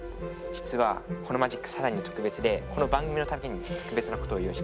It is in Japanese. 実はこのマジック更に特別でこの番組のために特別なことを用意したんです。